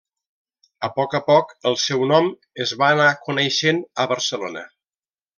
A poc a poc, el seu nom es va anar coneixent a Barcelona.